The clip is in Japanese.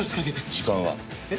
時間は？え？